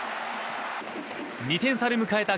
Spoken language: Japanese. ２点差で迎えた